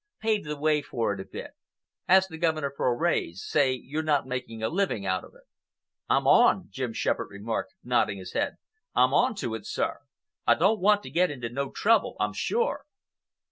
Pave the way for it a bit. Ask the governor for a rise—say you're not making a living out of it." "I'm on," Jim Shepherd remarked, nodding his head. "I'm on to it, sir. I don't want to get into no trouble, I'm sure."